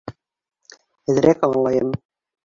Әҙерәк аңлайым.